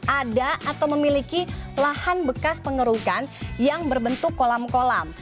ada atau memiliki lahan bekas pengerukan yang berbentuk kolam kolam